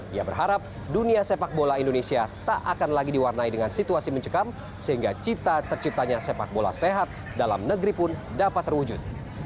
ia berharap dunia sepak bola indonesia tak akan lagi diwarnai dengan situasi mencekam sehingga cita terciptanya sepak bola sehat dalam negeri pun dapat terwujud